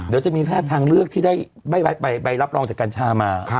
เดี๋ยวจะมีแพทย์ทางเลือกที่ได้ใบรับรองจากกัญชามา